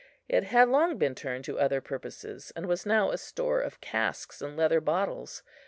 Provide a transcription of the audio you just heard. It had long been turned to other purposes, and was now a store of casks and leather bottles.